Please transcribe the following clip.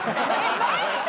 待って！